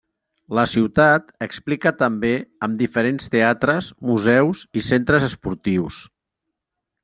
La ciutat explica també amb diferents teatres, museus i centres esportius.